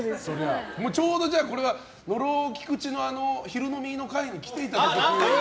ちょうどこれは野呂＆菊地の昼飲みの会に来ていただいて。